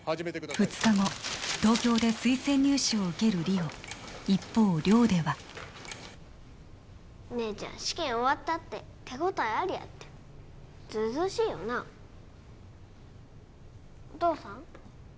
２日後東京で推薦入試を受ける梨央一方寮では姉ちゃん試験終わったって手応えありやってずうずうしいよなお父さん？